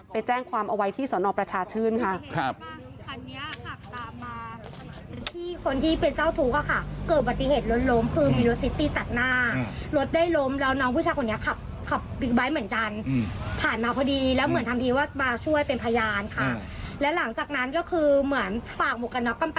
ไปแจ้งความเอาไว้ที่สนประชาชื่นค่ะ